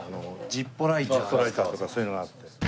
ＺＩＰＰＯライターとかそういうのがあって。